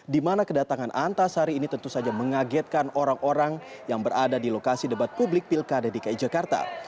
di mana kedatangan antasari ini tentu saja mengagetkan orang orang yang berada di lokasi debat publik pilkada dki jakarta